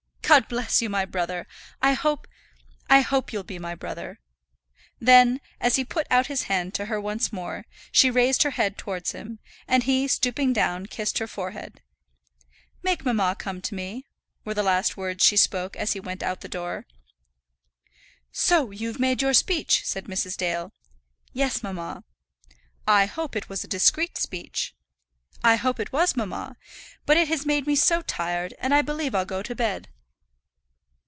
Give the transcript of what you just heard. "God bless you, my brother! I hope, I hope you'll be my brother." Then, as he put out his hand to her once more, she raised her head towards him, and he, stooping down, kissed her forehead. "Make mamma come to me," were the last words she spoke as he went out at the door. "So you've made your speech," said Mrs. Dale. "Yes, mamma." "I hope it was a discreet speech." "I hope it was, mamma. But it has made me so tired, and I believe I'll go to bed.